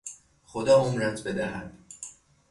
خدا عمرت بدهد